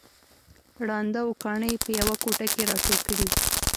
ړانده او کاڼه يې په يوه کوټه کې راټول کړي وو